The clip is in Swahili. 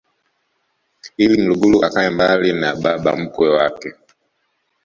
ili mlugulu akae mbali na baba mkwe wake